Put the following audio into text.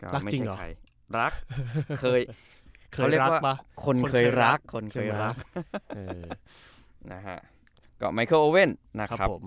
รักจริงเหรอรักเคยรักป่ะคนเคยรักคนเคยรักนะฮะก็ไมเคิลโอเว่นนะครับผม